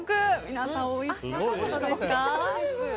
皆さん、おいしかったですか？